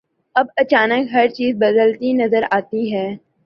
اب اچانک ہر چیز بدلتی نظر آتی ہے۔